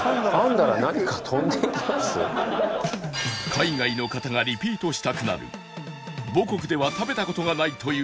海外の方がリピートしたくなる母国では食べた事がないという特大グルメとは？